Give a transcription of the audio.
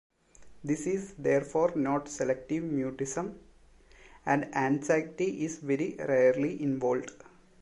This is therefore not selective mutism, and anxiety is very rarely involved.